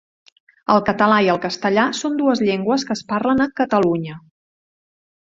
El català i el castellà són dues llengües que es parlen a Catalunya.